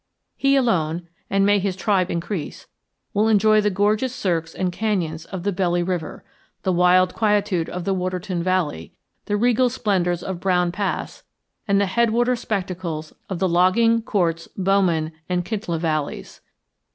He alone, and may his tribe increase, will enjoy the gorgeous cirques and canyons of the Belly River, the wild quietude of the Waterton Valley, the regal splendors of Brown Pass, and the headwater spectacles of the Logging, Quartz, Bowman, and Kintla valleys.